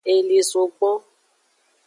Eli zogbon.